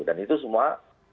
dan itu semua